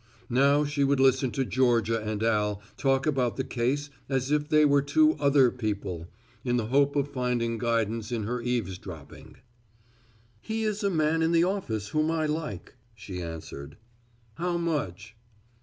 Now she would listen to Georgia and Al talk about the case as if they were two other people, in the hope of finding guidance in her eavesdropping. "He is a man in the office whom I like," she answered. "How much?"